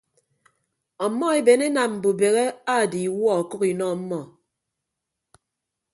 Ọmmọ eben enam mbubehe aadiiwuọ ọkʌk inọ ọmmọ.